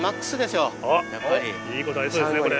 いいことありそうですねこれ。